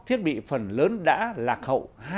thiết bị phần lớn đã lạc hậu